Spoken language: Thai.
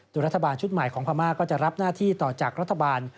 โดยรัฐบาลชุดใหม่ของพม่าก็จะรับหน้าที่ต่อจากรัฐบาล